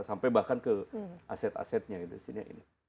sampai bahkan ke aset asetnya